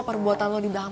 perbuatan lo di dapur lo